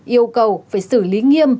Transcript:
yêu cầu phải xử lý nghiêm